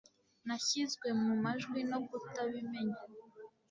Nashyizwe mu majwi no kutabimenya